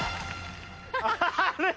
あれ？